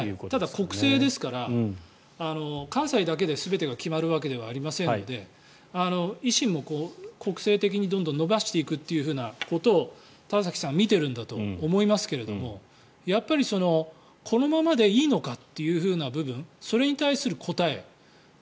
国政ですから関西だけですべてが決まるわけではありませんので維新も国政的にどんどん伸ばすということを田崎さんは見てると思いますがやっぱりこのままでいいのかという部分それに対する答え